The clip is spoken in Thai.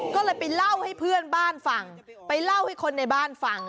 ก็เลยไปเล่าให้เพื่อนบ้านฟังไปเล่าให้คนในบ้านฟัง